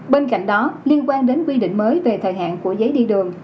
bên cạnh đó liên quan đến quy định mới về thời hạn của giấy đi đường